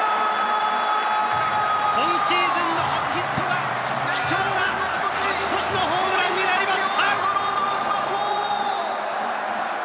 今シーズンの初ヒットは貴重な勝ち越しホームランになりました！